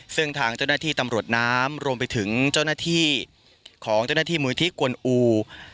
ซึ่งทางเจ้าหน้าที่ตำรวจน้ำรวมไปถึงเจ้าหน้าที่ของเจ้าหน้าที่มูลที่กวนอู